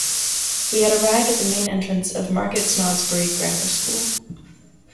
We had arrived at the main entrance of Market Snodsbury Grammar School.